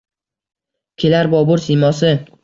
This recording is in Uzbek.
Kelar Bobur siymosi.